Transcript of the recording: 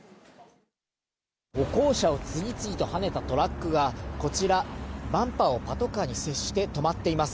歩行者を次々とはねたトラックがこちら、バンパーをパトカーに接して止まっています。